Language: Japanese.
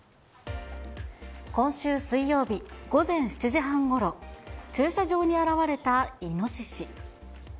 今週水曜日午前７時半ごろ、駐車場に現れたイノシシ。